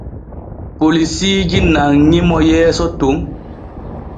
Polisiiji nanŋi mo yeeso ton.